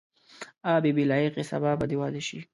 آ بي بي لایقې سبا به دې واده شي.